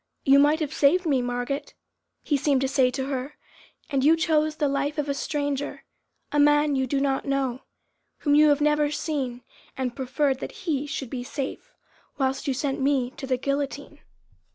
"You might have saved me, Margot!" he seemed to say to her, "and you chose the life of a stranger, a man you do not know, whom you have never seen, and preferred that he should be safe, whilst you sent me to the guillotine!"